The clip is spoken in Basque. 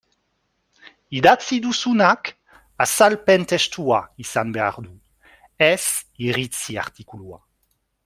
Idatzi duzunak azalpen testua izan behar du, ez iritzi artikulua.